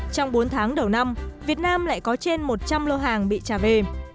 trong bốn tháng đầu năm việt nam lại có trên một trăm linh lô hàng bị trả về